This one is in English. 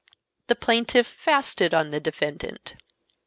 "The plaintiff 'fasted on' the defendant."